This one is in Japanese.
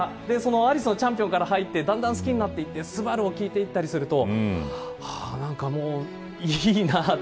アリスのチャンピオンから入ってだんだん好きになっていて昂を聞いていたりすると何かもう、いいな。